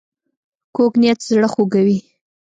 کوږ نیت زړه خوږوي